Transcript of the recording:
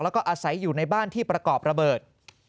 แล้วก็อาศัยอยู่ในบ้านที่ประกอบระเบิด